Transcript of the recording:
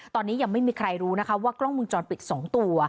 ตอนนี้ยังไม่มีใครรู้นะคะว่ากล้องมุมจรปิด๒ตัว